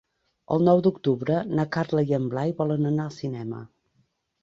El nou d'octubre na Carla i en Blai volen anar al cinema.